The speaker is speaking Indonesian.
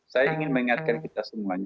saya ingin mengingatkan kita semuanya